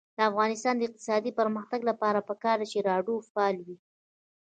د افغانستان د اقتصادي پرمختګ لپاره پکار ده چې راډیو فعاله وي.